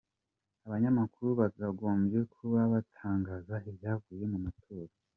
Abanyamakuru bakagombye kuba batangaza ibyavuye mu matora.